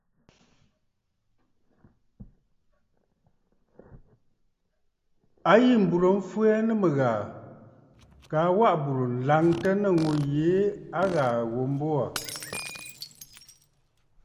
A yî m̀burə̀ m̀fwɛɛ nɨ mɨ̀ghàà kaa waʼà bùrə̀ laŋtə nɨ̂ ŋû yìi a ghàà ghu mbo aà.